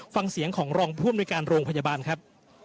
ฟังเสียงของรองพรุ่มในการโรงพยาบาลครับ